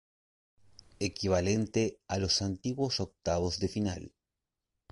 Equivalente a los antiguos octavos de final.